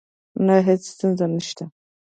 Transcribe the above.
نه، هیڅ ستونزه نشته